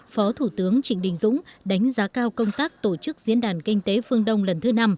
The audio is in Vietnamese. phó thủ tướng trịnh đình dũng đánh giá cao công tác tổ chức diễn đàn kinh tế phương đông lần thứ năm